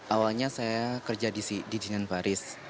awalnya saya kerja di dinanfaris